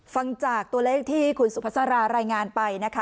ฟังจากตัวเลขที่คุณสุภาษารารายงานไปนะคะ